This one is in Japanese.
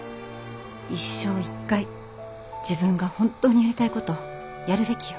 一生一回自分が本当にやりたいことやるべきよ。